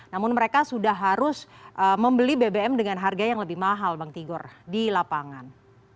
namun mereka sudah harus membeli bbm dengan harga yang lebih mahal bang tigor di lapangan